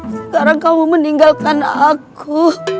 sekarang kamu meninggalkan aku